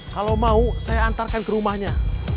kalau mau saya antarkan ke rumahnya